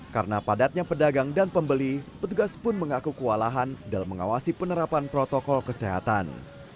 karena padatnya pedagang dan pembeli petugas pun mengaku kewalahan dalam mengawasi penerapan protokol kesehatan